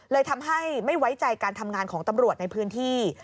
เลยทำให้ไม่ไว้ใจการทำงานของตำรวจในพื้นที่